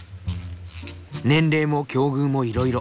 年齢も境遇もいろいろ。